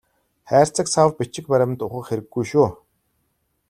Хайрцаг сав бичиг баримт ухах хэрэггүй шүү.